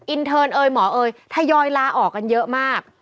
เทิร์นเอยหมอเอ๋ยทยอยลาออกกันเยอะมาก